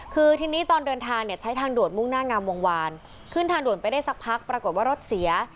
คือทีนี้ตอนเดินทางเนี่ยใช้ทางด่วนมุ่งหน้างามวงวานขึ้นทางด่วนไปได้สักพักปรากฏว่ารถเสีย